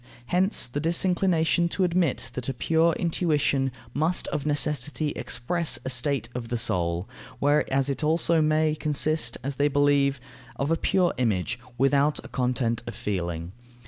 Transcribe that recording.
Hence the disinclination to admit that a pure intuition must of necessity express a state of the soul, whereas it may also consist, as they believe, of a pure image, without a content of feeling.